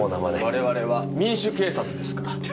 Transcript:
我々は民主警察ですから。